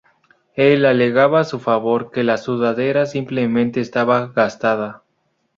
Él alegaba a su favor que la sudadera simplemente estaba gastada.